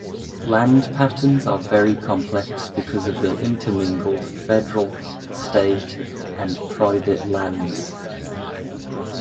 Land patterns are very complex because of the intermingled federal, state, and private lands.